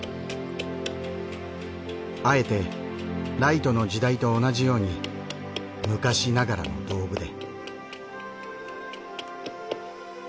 あえてライトの時代と同じように昔ながらの道具で。